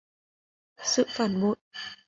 sự phản bội